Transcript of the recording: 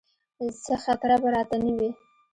څه خطره به راته نه وي.